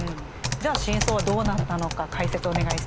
じゃあ真相はどうなったのか解説をお願いしていいですか。